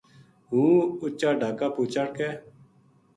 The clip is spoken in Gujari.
ہوں اُچا ڈھاکا پو چڑھ کے